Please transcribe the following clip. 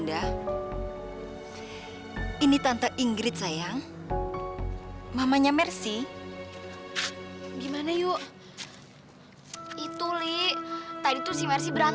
tidak ada yang bisa diberikan